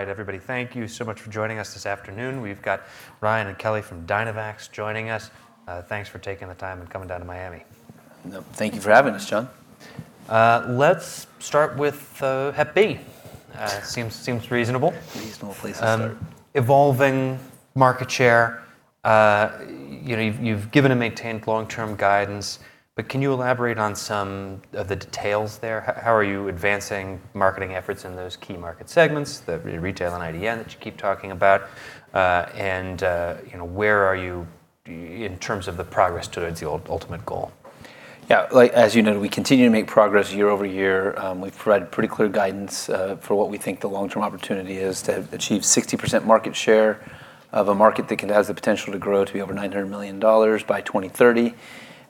All right, everybody, thank you so much for joining us this afternoon. We've got Ryan and Kelly from Dynavax joining us. Thanks for taking the time and coming down to Miami. Thank you for having us. Let's start with Hep B. Seems reasonable. Reasonable place to start. Evolving market share. You've given and maintained long-term guidance, but can you elaborate on some of the details there? How are you advancing marketing efforts in those key market segments, the retail and IDN that you keep talking about? And where are you in terms of the progress towards the ultimate goal? Yeah, as you noted, we continue to make progress year-over-year. We've provided pretty clear guidance for what we think the long-term opportunity is to achieve 60% market share of a market that has the potential to grow to be over $900 million by 2030, and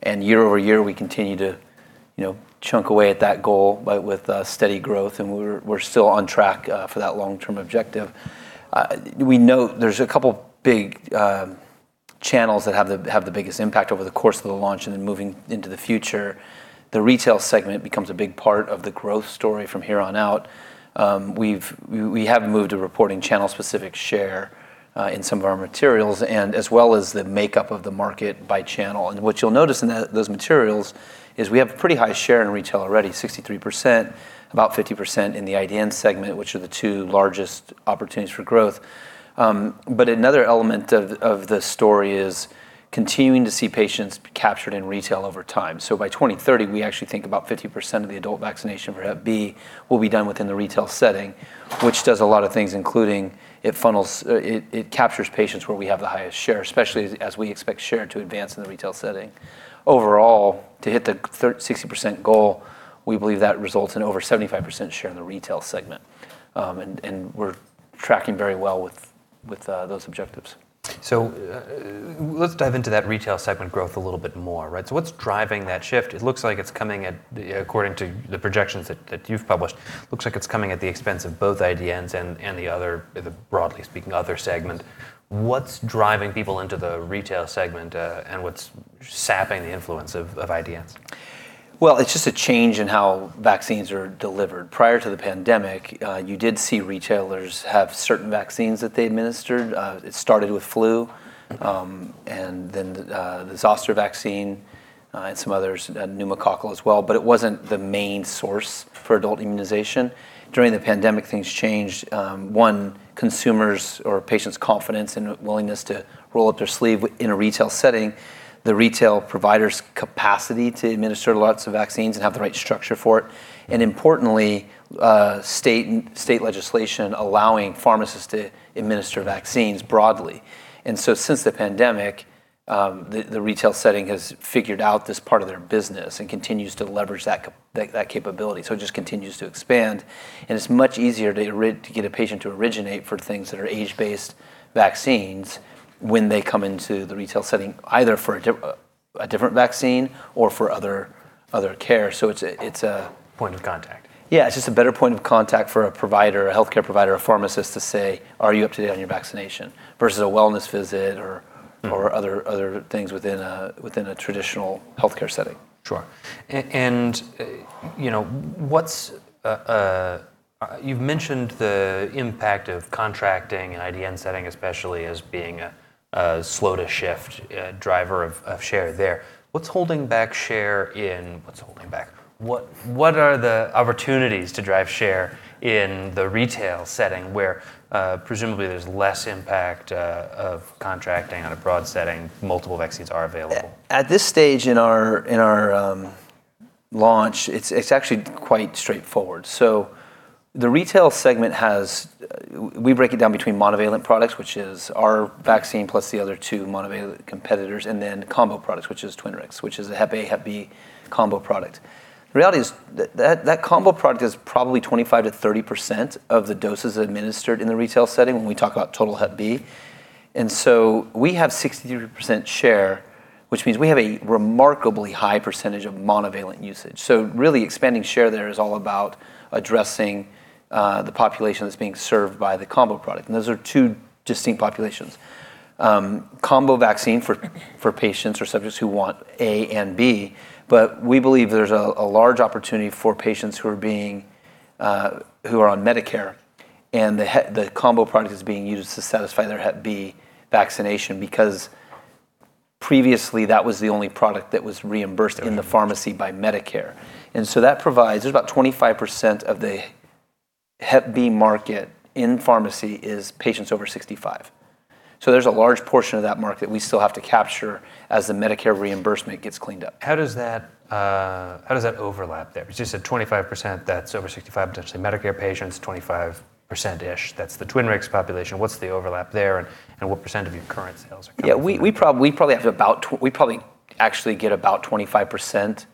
year-over-year, we continue to chunk away at that goal with steady growth, and we're still on track for that long-term objective. We know there's a couple of big channels that have the biggest impact over the course of the launch and then moving into the future. The retail segment becomes a big part of the growth story from here on out. We have moved to reporting channel-specific share in some of our materials, as well as the makeup of the market by channel. And what you'll notice in those materials is we have a pretty high share in retail already, 63%, about 50% in the IDN segment, which are the two largest opportunities for growth. But another element of the story is continuing to see patients captured in retail over time. So by 2030, we actually think about 50% of the adult vaccination for Hep B will be done within the retail setting, which does a lot of things, including it captures patients where we have the highest share, especially as we expect share to advance in the retail setting. Overall, to hit the 60% goal, we believe that results in over 75% share in the retail segment. And we're tracking very well with those objectives. Let's dive into that retail segment growth a little bit more. What's driving that shift? It looks like it's coming, according to the projections that you've published, at the expense of both IDNs and the other, broadly speaking, other segment. What's driving people into the retail segment and what's sapping the influence of IDNs? It's just a change in how vaccines are delivered. Prior to the pandemic, you did see retailers have certain vaccines that they administered. It started with flu, and then the zoster vaccine, and some others, pneumococcal as well. But it wasn't the main source for adult immunization. During the pandemic, things changed. One, consumers' or patients' confidence and willingness to roll up their sleeve in a retail setting, the retail provider's capacity to administer lots of vaccines and have the right structure for it. Importantly, state legislation allowing pharmacists to administer vaccines broadly. Since the pandemic, the retail setting has figured out this part of their business and continues to leverage that capability. It just continues to expand. And it's much easier to get a patient to originate for things that are age-based vaccines when they come into the retail setting, either for a different vaccine or for other care. So it's a. Point of contact. Yeah, it's just a better point of contact for a provider, a healthcare provider, a pharmacist to say, are you up to date on your vaccination? Versus a wellness visit or other things within a traditional healthcare setting. Sure, and you've mentioned the impact of contracting and IDN setting especially as being a slow-to-shift driver of share there. What's holding back share there? What are the opportunities to drive share in the retail setting where presumably there's less impact of contracting on a broad setting, multiple vaccines are available? At this stage in our launch, it's actually quite straightforward. So the retail segment has, we break it down between monovalent products, which is our vaccine plus the other two monovalent competitors, and then combo products, which is Twinrix, which is a Hep A, Hep B combo product. The reality is that combo product is probably 25%-30% of the doses administered in the retail setting when we talk about total Hep B. And so we have 63% share, which means we have a remarkably high percentage of monovalent usage. So really expanding share there is all about addressing the population that's being served by the combo product. And those are two distinct populations. Combo vaccine for patients or subjects who want A and B, but we believe there's a large opportunity for patients who are on Medicare, and the combo product is being used to satisfy their Hep B vaccination because previously that was the only product that was reimbursed in the pharmacy by Medicare, and so that provides. There's about 25% of the Hep B market in pharmacy is patients over 65. So there's a large portion of that market that we still have to capture as the Medicare reimbursement gets cleaned up. How does that overlap there? It's just a 25% that's over 65, potentially Medicare patients, 25%-ish. That's the Twinrix population. What's the overlap there and what % of your current sales are covered? Yeah, we probably actually get about 25%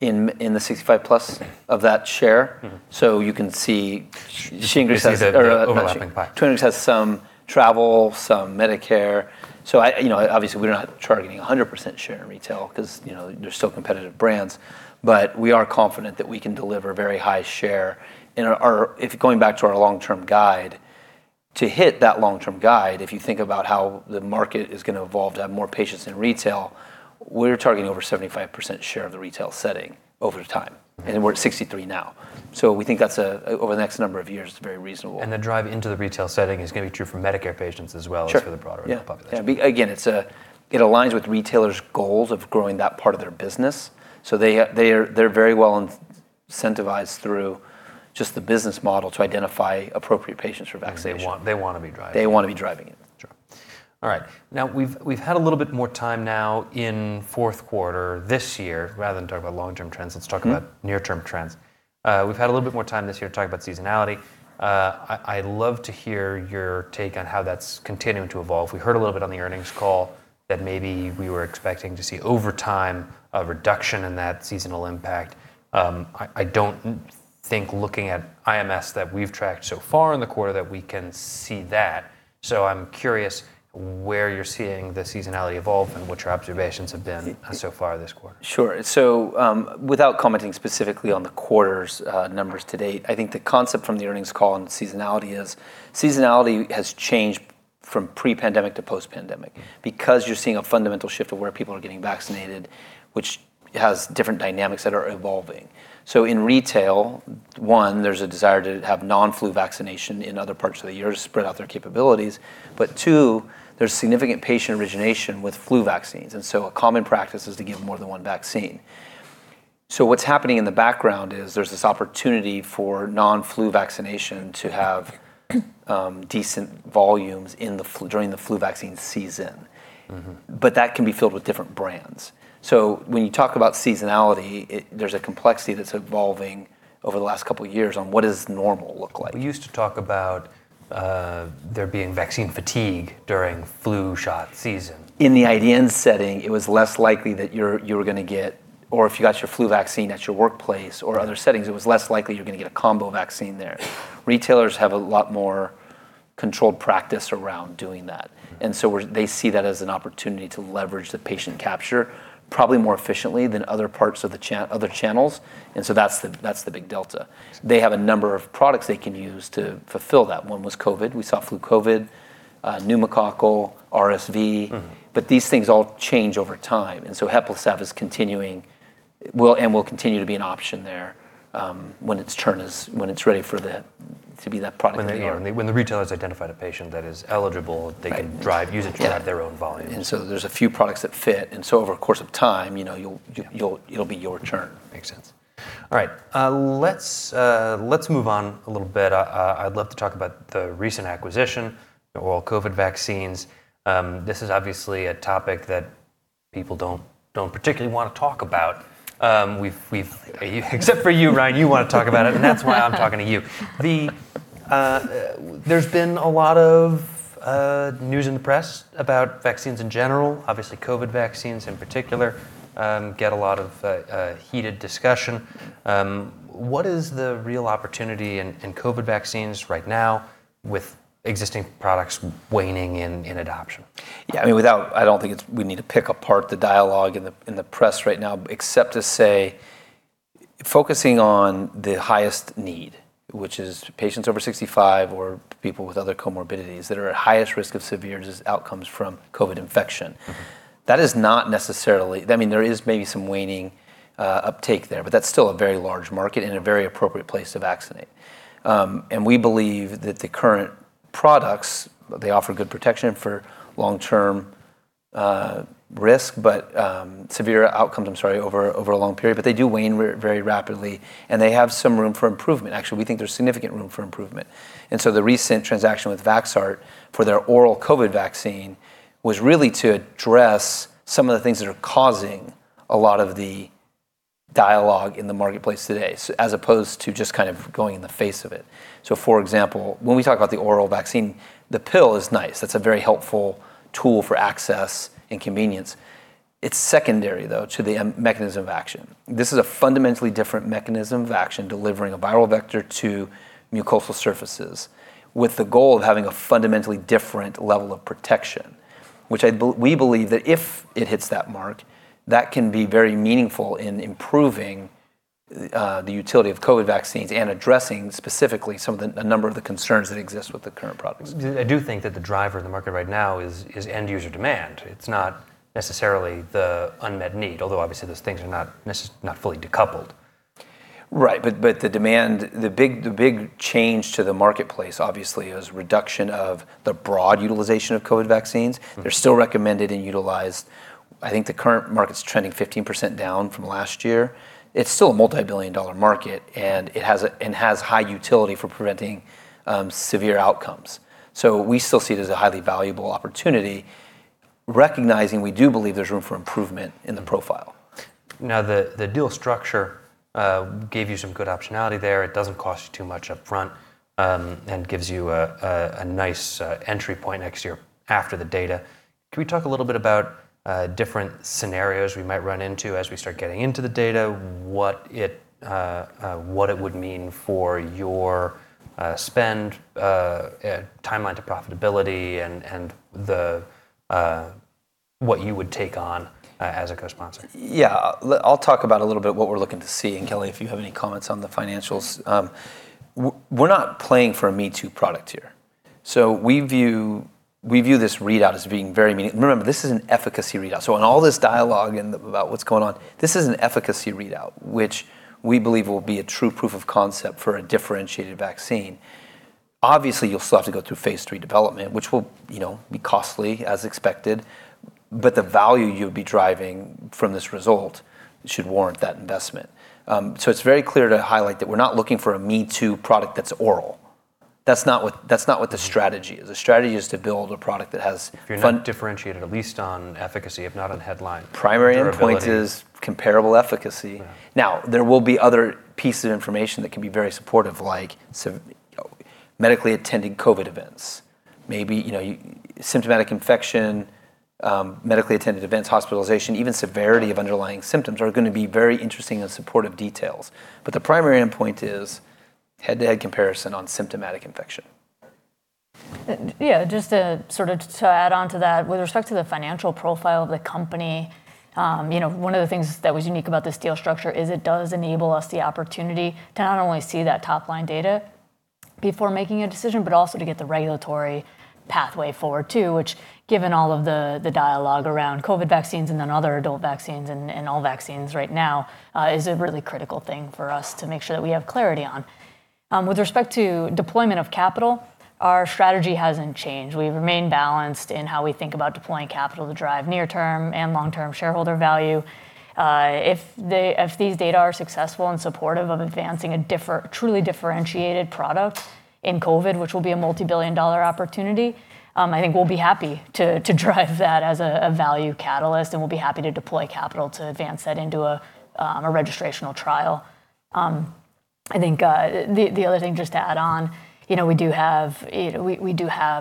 in the 65+ of that share. So you can see Twinrix has some travel, some Medicare. So obviously we're not targeting 100% share in retail because they're still competitive brands, but we are confident that we can deliver very high share. And going back to our long-term guide, to hit that long-term guide, if you think about how the market is going to evolve to have more patients in retail, we're targeting over 75% share of the retail setting over time. And we're at 63 now. So we think that's over the next number of years very reasonable. The drive into the retail setting is going to be true for Medicare patients as well as for the broader population. Yeah. Again, it aligns with retailers' goals of growing that part of their business. So they're very well incentivized through just the business model to identify appropriate patients for vaccination. They want to be driving. They want to be driving it. Sure. All right. Now we've had a little bit more time now in fourth quarter this year. Rather than talk about long-term trends, let's talk about near-term trends. We've had a little bit more time this year talking about seasonality. I'd love to hear your take on how that's continuing to evolve. We heard a little bit on the earnings call that maybe we were expecting to see over time a reduction in that seasonal impact. I don't think looking at IMS that we've tracked so far in the quarter that we can see that. So I'm curious where you're seeing the seasonality evolve and what your observations have been so far this quarter. Sure, so without commenting specifically on the quarter's numbers to date, I think the concept from the earnings call on seasonality is seasonality has changed from pre-pandemic to post-pandemic because you're seeing a fundamental shift of where people are getting vaccinated, which has different dynamics that are evolving. In retail, one, there's a desire to have non-flu vaccination in other parts of the year to spread out their capabilities. But two, there's significant patient origination with flu vaccines. And so a common practice is to give more than one vaccine. What's happening in the background is there's this opportunity for non-flu vaccination to have decent volumes during the flu vaccine season. But that can be filled with different brands. When you talk about seasonality, there's a complexity that's evolving over the last couple of years on what does normal look like. We used to talk about there being vaccine fatigue during flu shot season. In the IDN setting, it was less likely that you were going to get, or if you got your flu vaccine at your workplace or other settings, it was less likely you're going to get a combo vaccine there. Retailers have a lot more controlled practice around doing that. And so they see that as an opportunity to leverage the patient capture probably more efficiently than other channels. And so that's the big delta. They have a number of products they can use to fulfill that. One was COVID. We saw flu COVID, pneumococcal, RSV. But these things all change over time. And so HEPLISAV-B is continuing and will continue to be an option there when it's ready to be that product. When the retailers identify a patient that is eligible, they can drive usage at their own volume. There's a few products that fit. Over a course of time, it'll be your turn. Makes sense. All right. Let's move on a little bit. I'd love to talk about the recent acquisition, oral COVID vaccines. This is obviously a topic that people don't particularly want to talk about. Except for you, Ryan, you want to talk about it, and that's why I'm talking to you. There's been a lot of news in the press about vaccines in general, obviously COVID vaccines in particular, get a lot of heated discussion. What is the real opportunity in COVID vaccines right now with existing products waning in adoption? Yeah, I mean, I don't think we need to pick apart the dialogue in the press right now, except to say focusing on the highest need, which is patients over 65 or people with other comorbidities that are at highest risk of severe outcomes from COVID infection. That is not necessarily, I mean, there is maybe some waning uptake there, but that's still a very large market and a very appropriate place to vaccinate. And we believe that the current products, they offer good protection for long-term risk, but severe outcomes, I'm sorry, over a long period, but they do wane very rapidly and they have some room for improvement. Actually, we think there's significant room for improvement. And so the recent transaction with Vaxart for their oral COVID vaccine was really to address some of the things that are causing a lot of the dialogue in the marketplace today, as opposed to just kind of going in the face of it. So for example, when we talk about the oral vaccine, the pill is nice. That's a very helpful tool for access and convenience. It's secondary, though, to the mechanism of action. This is a fundamentally different mechanism of action, delivering a viral vector to mucosal surfaces with the goal of having a fundamentally different level of protection, which we believe that if it hits that mark, that can be very meaningful in improving the utility of COVID vaccines and addressing specifically a number of the concerns that exist with the current products. I do think that the driver in the market right now is end-user demand. It's not necessarily the unmet need, although obviously those things are not fully decoupled. Right, but the demand, the big change to the marketplace obviously is reduction of the broad utilization of COVID vaccines. They're still recommended and utilized. I think the current market's trending 15% down from last year. It's still a multi-billion-dollar market and has high utility for preventing severe outcomes, so we still see it as a highly valuable opportunity, recognizing we do believe there's room for improvement in the profile. Now the deal structure gave you some good optionality there. It doesn't cost you too much upfront and gives you a nice entry point next year after the data. Can we talk a little bit about different scenarios we might run into as we start getting into the data, what it would mean for your spend, timeline to profitability, and what you would take on as a co-sponsor? Yeah, I'll talk about a little bit what we're looking to see. And Kelly, if you have any comments on the financials. We're not playing for a me-too product here. So we view this readout as being very meaningful. Remember, this is an efficacy readout. So on all this dialogue about what's going on, this is an efficacy readout, which we believe will be a true proof of concept for a differentiated vaccine. Obviously, you'll still have to go through Phase 3 development, which will be costly, as expected, but the value you'd be driving from this result should warrant that investment. So it's very clear to highlight that we're not looking for a me-too product that's oral. That's not what the strategy is. The strategy is to build a product that has. If you're not differentiated, at least on efficacy, if not on headline. Primary endpoint is comparable efficacy. Now, there will be other pieces of information that can be very supportive, like medically attended COVID events. Maybe symptomatic infection, medically attended events, hospitalization, even severity of underlying symptoms are going to be very interesting and supportive details. But the primary endpoint is head-to-head comparison on symptomatic infection. Yeah, just to sort of add on to that, with respect to the financial profile of the company, one of the things that was unique about this deal structure is it does enable us the opportunity to not only see that top-line data before making a decision, but also to get the regulatory pathway forward too, which given all of the dialogue around COVID vaccines and then other adult vaccines and all vaccines right now is a really critical thing for us to make sure that we have clarity on. With respect to deployment of capital, our strategy hasn't changed. We've remained balanced in how we think about deploying capital to drive near-term and long-term shareholder value. If these data are successful and supportive of advancing a truly differentiated product in COVID, which will be a multi-billion-dollar opportunity, I think we'll be happy to drive that as a value catalyst and we'll be happy to deploy capital to advance that into a registrational trial. I think the other thing just to add on, we do have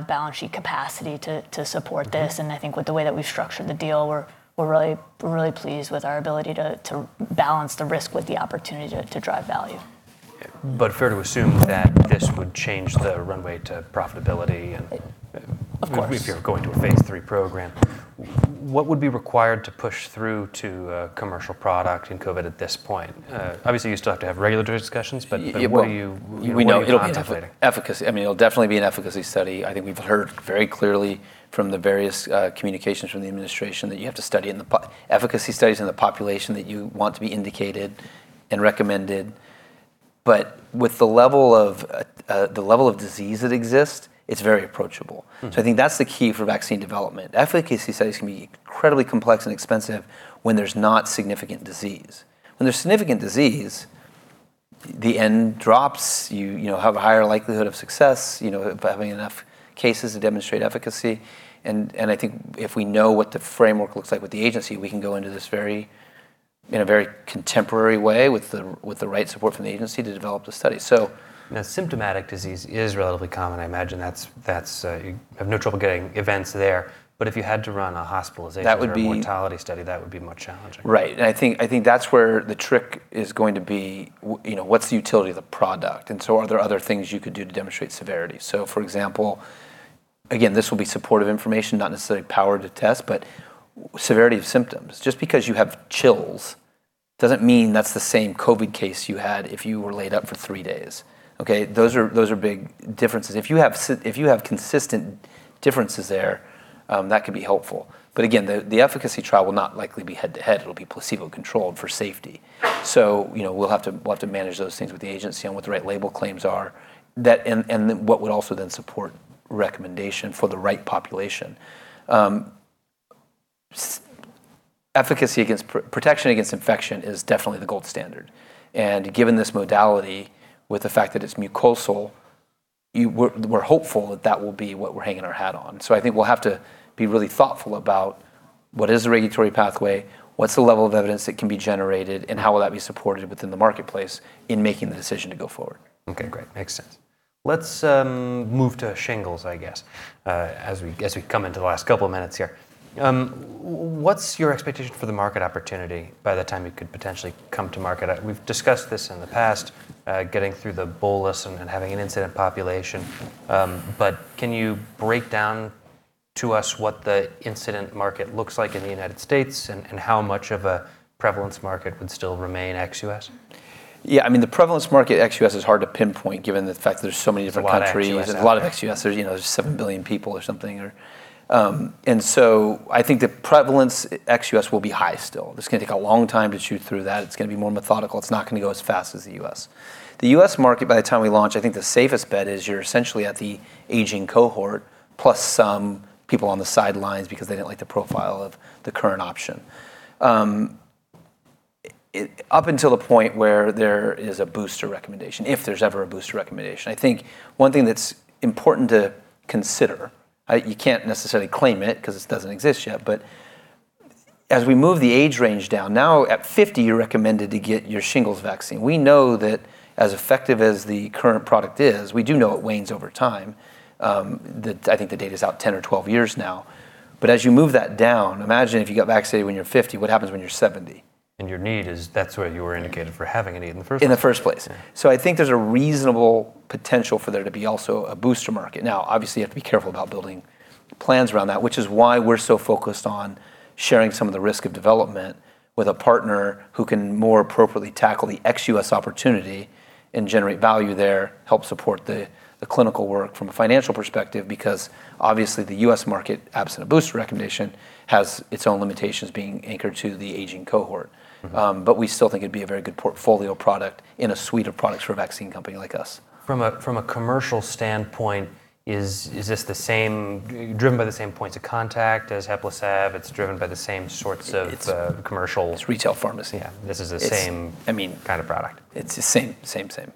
balance sheet capacity to support this, and I think with the way that we've structured the deal, we're really pleased with our ability to balance the risk with the opportunity to drive value. But fair to assume that this would change the runway to profitability and if you're going to a Phase 3 program. What would be required to push through to commercial product in COVID at this point? Obviously, you still have to have regulatory discussions, but what are you anticipating? We know it'll be in efficacy. I mean, it'll definitely be an efficacy study. I think we've heard very clearly from the various communications from the administration that you have to study in the efficacy studies in the population that you want to be indicated and recommended. But with the level of disease that exists, it's very approachable. So I think that's the key for vaccine development. Efficacy studies can be incredibly complex and expensive when there's not significant disease. When there's significant disease, the N drops, you have a higher likelihood of success of having enough cases to demonstrate efficacy. And I think if we know what the framework looks like with the agency, we can go into this in a very contemporary way with the right support from the agency to develop the study. So. Now, symptomatic disease is relatively common. I imagine you have no trouble getting events there. But if you had to run a hospitalization or a mortality study, that would be much challenging. Right. And I think that's where the trick is going to be, what's the utility of the product? And so are there other things you could do to demonstrate severity? So for example, again, this will be supportive information, not necessarily power to test, but severity of symptoms. Just because you have chills doesn't mean that's the same COVID case you had if you were laid up for three days. Okay? Those are big differences. If you have consistent differences there, that could be helpful. But again, the efficacy trial will not likely be head-to-head. It'll be placebo-controlled for safety. So we'll have to manage those things with the agency on what the right label claims are and what would also then support recommendation for the right population. Efficacy against protection against infection is definitely the gold standard. And given this modality with the fact that it's mucosal, we're hopeful that that will be what we're hanging our hat on. So I think we'll have to be really thoughtful about what is the regulatory pathway, what's the level of evidence that can be generated, and how will that be supported within the marketplace in making the decision to go forward. Okay, great. Makes sense. Let's move to shingles, I guess, as we come into the last couple of minutes here. What's your expectation for the market opportunity by the time it could potentially come to market? We've discussed this in the past, getting through the bolus and having an incidence population. But can you break down to us what the incidence market looks like in the United States and how much of a prevalence market would still remain ex-U.S.? Yeah, I mean, the prevalence market ex-U.S. is hard to pinpoint given the fact that there's so many different countries and a lot of ex-U.S. There's seven billion people or something, and so I think the prevalence ex-U.S. will be high still. This is going to take a long time to shoot through that. It's going to be more methodical. It's not going to go as fast as the U.S. The U.S. market, by the time we launch, I think the safest bet is you're essentially at the aging cohort plus some people on the sidelines because they didn't like the profile of the current option. Up until the point where there is a booster recommendation, if there's ever a booster recommendation, I think one thing that's important to consider, you can't necessarily claim it because it doesn't exist yet, but as we move the age range down, now at 50, you're recommended to get your shingles vaccine. We know that as effective as the current product is, we do know it wanes over time. I think the data is out 10 years or 12 years now, but as you move that down, imagine if you got vaccinated when you're 50, what happens when you're 70? Your need is, that's where you were indicated for having a need in the first place. In the first place. So I think there's a reasonable potential for there to be also a booster market. Now, obviously, you have to be careful about building plans around that, which is why we're so focused on sharing some of the risk of development with a partner who can more appropriately tackle the ex-U.S. opportunity and generate value there, help support the clinical work from a financial perspective, because obviously the U.S. market, absent a booster recommendation, has its own limitations being anchored to the aging cohort. But we still think it'd be a very good portfolio product in a suite of products for a vaccine company like us. From a commercial standpoint, is this driven by the same points of contact as HEPLISAV-B? It's driven by the same sorts of commercial. It's retail pharmacy. Yeah. This is the same kind of product. It's the same, same, same.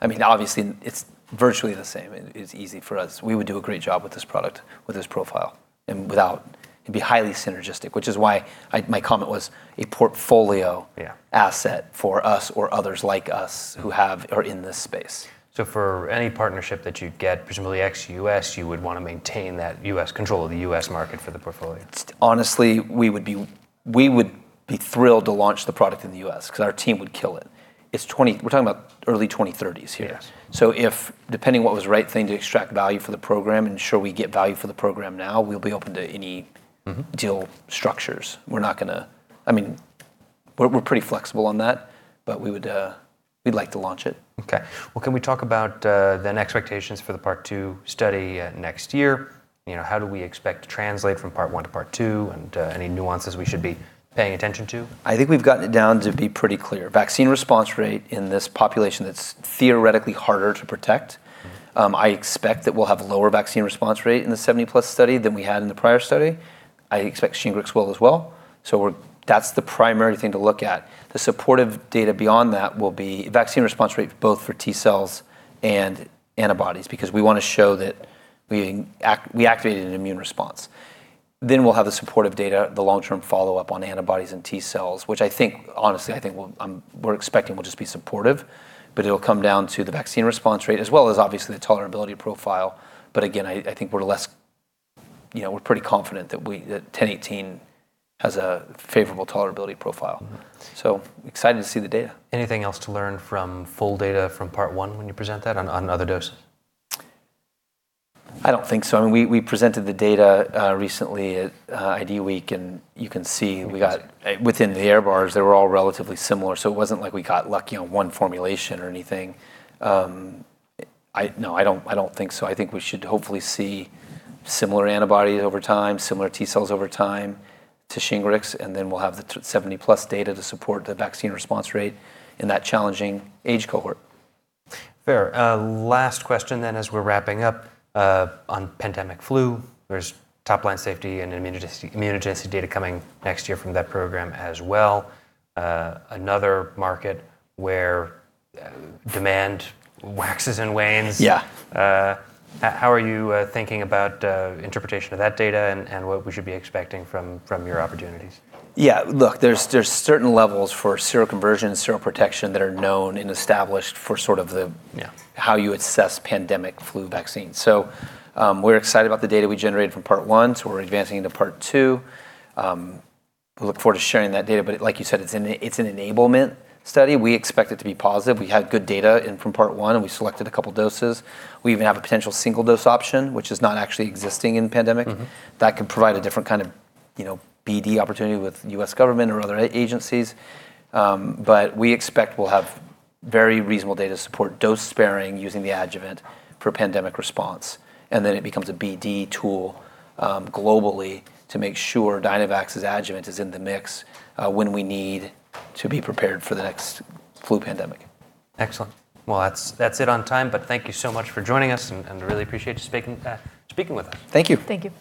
I mean, obviously, it's virtually the same. It's easy for us. We would do a great job with this product, with this profile, and it'd be highly synergistic, which is why my comment was a portfolio asset for us or others like us who are in this space. So for any partnership that you'd get, presumably ex-U.S., you would want to maintain that U.S. control of the U.S. market for the portfolio. Honestly, we would be thrilled to launch the product in the U.S. because our team would kill it. We're talking about early 2030s here. So if, depending on what was the right thing to extract value for the program and ensure we get value for the program now, we'll be open to any deal structures. I mean, we're pretty flexible on that, but we'd like to launch it. Okay. Well, can we talk about the expectations for the Part 2 study next year? How do we expect to translate from Part 1 to Part 2 and any nuances we should be paying attention to? I think we've gotten it down to be pretty clear. Vaccine response rate in this population that's theoretically harder to protect. I expect that we'll have a lower vaccine response rate in the 70+ study than we had in the prior study. I expect shingles will as well. So that's the primary thing to look at. The supportive data beyond that will be vaccine response rate, both for T cells and antibodies, because we want to show that we activated an immune response. Then we'll have the supportive data, the long-term follow-up on antibodies and T cells, which I think, honestly, I think we're expecting will just be supportive, but it'll come down to the vaccine response rate as well as obviously the tolerability profile. But again, I think we're pretty confident that 1018 has a favorable tolerability profile. So excited to see the data. Anything else to learn from full data from Part 1 when you present that on other doses? I don't think so. I mean, we presented the data recently at IDWeek, and you can see within the error bars, they were all relatively similar. So it wasn't like we got lucky on one formulation or anything. No, I don't think so. I think we should hopefully see similar antibodies over time, similar T cells over time to Shingrix, and then we'll have the 70+ data to support the vaccine response rate in that challenging age cohort. Fair. Last question then as we're wrapping up on pandemic flu. There's top-line safety and immunogenicity data coming next year from that program as well. Another market where demand waxes and wanes. Yeah. How are you thinking about interpretation of that data and what we should be expecting from your opportunities? Yeah. Look, there's certain levels for seroconversion and seroprotection that are known and established for sort of how you assess pandemic flu vaccine. So we're excited about the data we generated from Part 1. So we're advancing into Part 2. We look forward to sharing that data. But like you said, it's an enablement study. We expect it to be positive. We had good data from Part 1, and we selected a couple of doses. We even have a potential single-dose option, which is not actually existing in pandemic. That could provide a different kind of BD opportunity with the U.S. government or other agencies. But we expect we'll have very reasonable data to support dose sparing using the adjuvant for pandemic response. And then it becomes a BD tool globally to make sure Dynavax's adjuvant is in the mix when we need to be prepared for the next flu pandemic. Excellent. Well, that's it on time, but thank you so much for joining us and really appreciate you speaking with us. Thank you. Thank you.